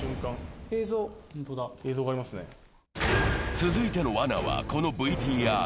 続いてのわなは、このＶＴＲ。